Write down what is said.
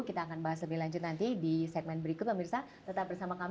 kita akan bahas lebih lanjut nanti di segmen berikutnya